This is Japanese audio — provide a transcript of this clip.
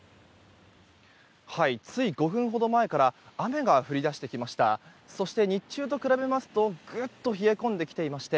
つい５分ほど前から雨が降り出してきました。